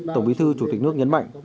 tổng bí thư chủ tịch nước nhấn mạnh